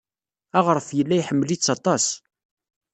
Aɣref yella iḥemmel-itt aṭas.